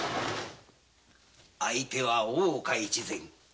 相手は大岡越前。